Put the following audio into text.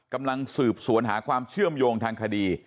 กำลังสืบสวนหาความเชื่อมโยงทางคดี